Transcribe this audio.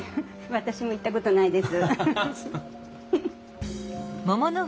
私も行ったことないです。